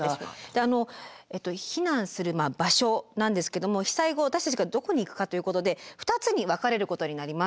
であの避難する場所なんですけども被災後私たちがどこに行くかということで２つに分かれることになります。